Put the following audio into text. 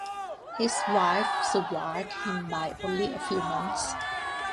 His wife survived him by only a few months.